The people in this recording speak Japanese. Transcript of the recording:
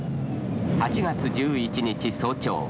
８月１１日早朝。